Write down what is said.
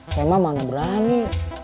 saya mah mana berani